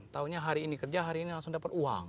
taunya hari ini kerja hari ini langsung dapat uang